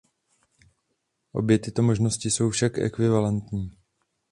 Obě tyto možnosti jsou však ekvivalentní.